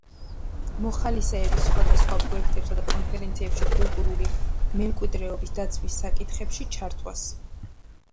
პროგრამა ითვალისწინებს მოხალისეების სხვადასხვა პროექტებსა და კონფერენციებში, კულტურული მემკვიდრეობის დაცვის საკითხებში ჩართვას.